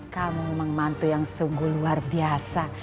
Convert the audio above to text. kamu membantu yang sungguh luar biasa